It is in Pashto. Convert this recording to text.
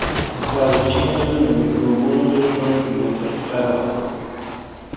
پرازیتېزم د مکروبونو د ژوند یوه طریقه ده.